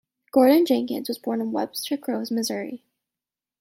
Gordon Jenkins was born in Webster Groves, Missouri.